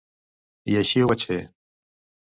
I així ho vaig fer.